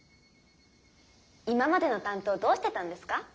今までの担当どうしてたんですか？